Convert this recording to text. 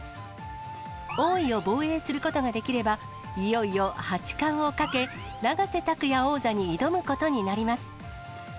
王位を防衛することができれば、いよいよ八冠をかけ、永瀬拓矢王座に挑むことになります。